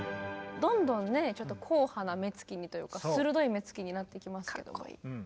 どんどんねちょっと硬派な目つきにというか鋭い目つきになってきますけども。